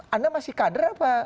anda masih kader apa